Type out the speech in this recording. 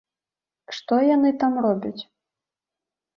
Што яны там робяць?